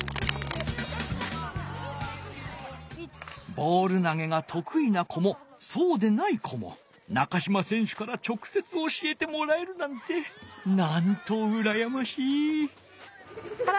ボール投げがとくいな子もそうでない子も中島選手から直せつ教えてもらえるなんてなんとうらやましい。